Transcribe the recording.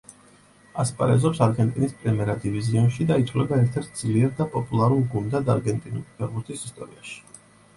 ასპარეზობს არგენტინის პრიმერა დივიზიონში და ითვლება ერთ-ერთ ძლიერ და პოპულარულ გუნდად არგენტინული ფეხბურთის ისტორიაში.